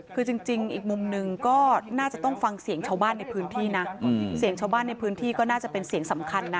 คือจริงอีกมุมหนึ่งก็น่าจะต้องฟังเสียงชาวบ้านในพื้นที่นะเสียงชาวบ้านในพื้นที่ก็น่าจะเป็นเสียงสำคัญนะ